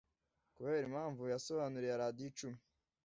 kubera impamvu yasobanuriye Radio icumi.